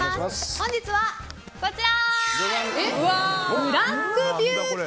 本日はこちら！